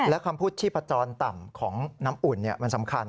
และคำพูดชีพจรต่ำของน้ำอุ่นมันสำคัญ